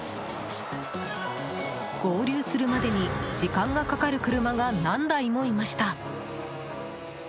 合流するまでに時間がかかる車が何台もいました。